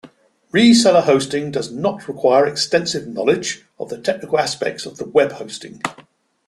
Reseller hosting does not require extensive knowledge of the technical aspects of web hosting.